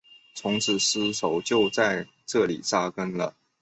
从此丝绸就在这里扎根了。